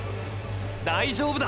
大丈夫だ！！